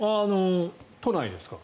都内ですか？